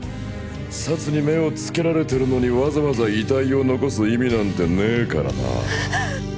サツに目をつけられてるのにわざわざ遺体を残す意味なんてねぇからな。